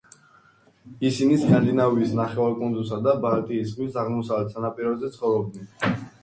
ისინი სკანდინავიის ნახევარკუნძულსა და ბალტიის ზღვის აღმოსავლეთ სანაპიროზე ცხოვრობდნენ.